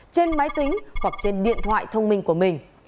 trên máy tính hoặc trên điện thoại thông minh của mình